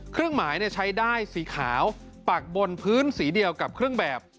เครื่องหมายใช้ได้สีขาวปักบนพื้นสีเดียวกับเครื่องแบบ